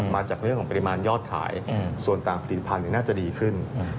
มาจากปริมาณยอดขายส่วนการผลิตภัณฑ์อันนี้น่าจะดีขึ้น